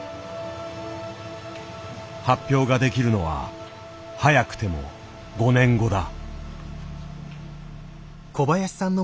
発表ができるのは早くても５年後だ。